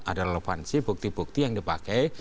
ada relevansi bukti bukti yang dipakai